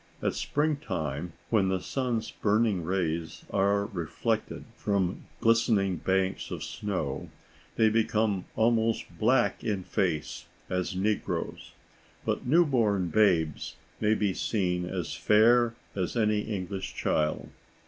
At spring time, when the sun's burning rays are reflected from glistening banks of snow, they become almost as black in the face as negroes; but new born babes may be seen as fair as any English child.